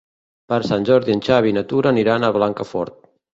Per Sant Jordi en Xavi i na Tura aniran a Blancafort.